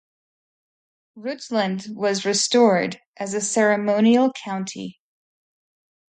Rutland was restored as a ceremonial county.